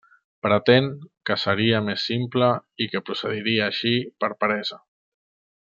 Pretén que seria més simple i que procediria així per peresa.